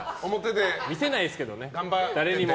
見せないんですけどね、誰にも。